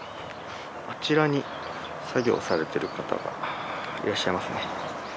あちらに作業されてる方がいらっしゃいますね。